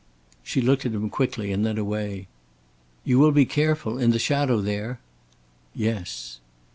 She looked at him quickly and then away. "You will be careful? In the shadow there?" "Yes."